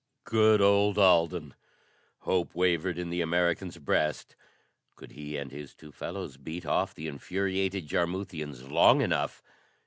Good old Alden! Hope wavered in the American's breast. Could he and his two fellows beat off the infuriated Jarmuthians long enough?